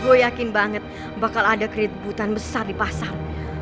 gue yakin banget bakal ada keributan besar di pasar